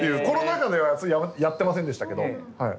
コロナ禍ではやってませんでしたけど。